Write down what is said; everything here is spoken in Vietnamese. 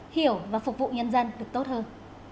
hiểu và phục vụ nhân dân được tốt hơn